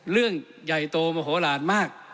เรื่องใหญ่โตโมโหลานมาก